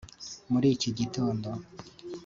Muri iki gitondo